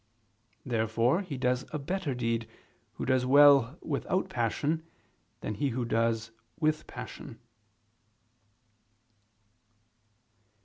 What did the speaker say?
Therefore he does a better deed, who does well without passion, than he who does with passion.